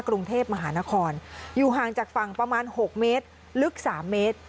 กรุงเทพมหานครอยู่ห่างจากฝั่งประมาณ๖เมตรลึก๓เมตร